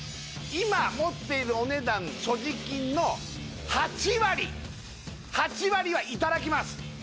今持っているお値段所持金の８割８割はいただきます